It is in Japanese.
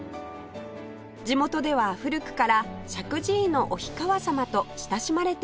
地元では古くから「石神井のお氷川さま」と親しまれています